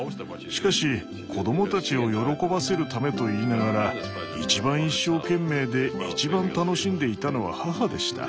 しかし子どもたちを喜ばせるためと言いながらいちばん一生懸命でいちばん楽しんでいたのは母でした。